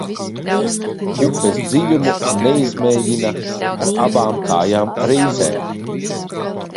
Upes dziļumu neizmēģina ar abām kājām reizē.